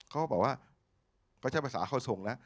เขาบอกว่าก็ใช้ภาษาเข้าทรงนะ